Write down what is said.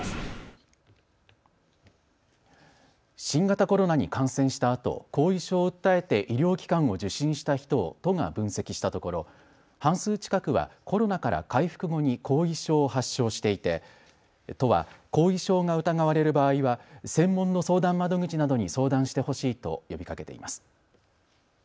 新型コロナに感染したあと後遺症を訴えて医療機関を受診した人を都が分析したところ半数近くはコロナから回復後に後遺症を発症していて都は後遺症が疑われる場合は専門の相談窓口などに相談してほしいと呼びかけています。